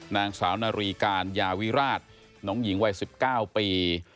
นางสาวนารีการยาวิราชน้องหญิงวัย๑๙ปี